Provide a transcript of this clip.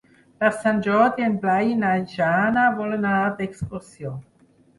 Per Sant Jordi en Blai i na Jana volen anar d'excursió.